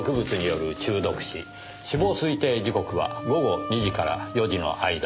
死亡推定時刻は午後２時から４時の間。